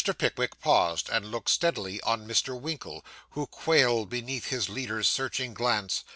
Pickwick paused, and looked steadily on Mr. Winkle, who quailed beneath his leader's searching glance.